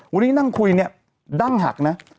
วันนี้นั่งคุยเนี่ยดั้งหักนะ